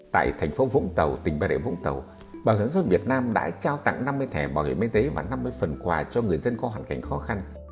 tại tp hcm bảo hiểm xã việt nam đã trao tặng năm mươi thẻ bảo hiểm y tế và năm mươi phần quà cho người dân có hoàn cảnh khó khăn